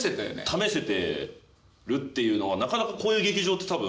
試せてるっていうのはなかなかこういう劇場って多分。